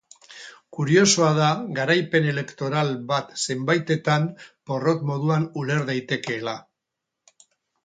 Kuriosoa da garaipen elektoral bat zenbaitetan porrot moduan uler daitekeela.